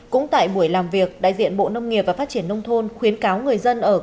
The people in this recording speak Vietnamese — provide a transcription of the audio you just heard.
cũng tại buổi làm việc đại diện bộ nông nghiệp và phát triển nông thôn khuyến cáo người dân ở các địa phương